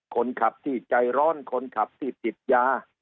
คนขับที่ใจร้อนคนขับที่ติดยา